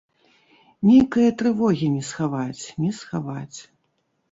Нейкае трывогі не схаваць, не схаваць.